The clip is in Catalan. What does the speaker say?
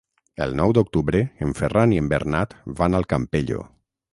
El nou d'octubre en Ferran i en Bernat van al Campello.